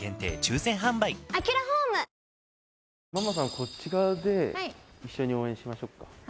こっち側で一緒に応援しましょうか。